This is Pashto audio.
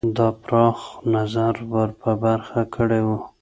دا پراخ نظر ور په برخه کړی وو.